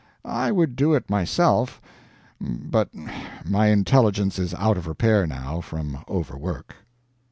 I would do it myself, but my intelligence is out of repair, now, from over work.